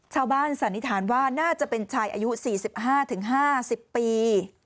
สันนิษฐานว่าน่าจะเป็นชายอายุ๔๕๕๐ปี